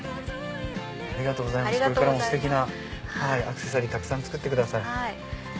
これからもステキなアクセサリーたくさん作ってください。